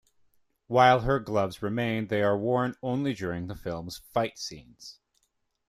While her gloves remain, they are worn only during the film's fight scenes.